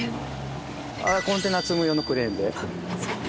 あれコンテナ積む用のクレーンで。